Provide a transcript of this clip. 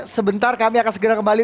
sebentar kami akan segera kembali